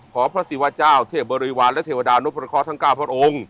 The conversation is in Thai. พระศิวาเจ้าเทพบริวารและเทวดานพรเคาะทั้ง๙พระองค์